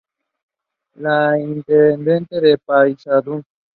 Fue intendente de Paysandú.